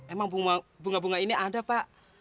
emang bunga bunga ini ada pak